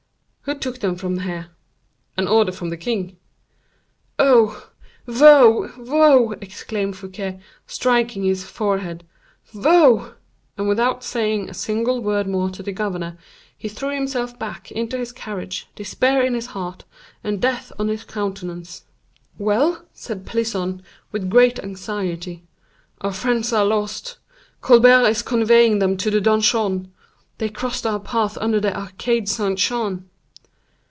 "Who took them from here?" "An order from the king." "Oh! woe! woe!" exclaimed Fouquet, striking his forehead. "Woe!" and without saying a single word more to the governor, he threw himself back into his carriage, despair in his heart, and death on his countenance. "Well!" said Pelisson, with great anxiety. "Our friends are lost. Colbert is conveying them to the donjon. They crossed our path under the arcade Saint Jean."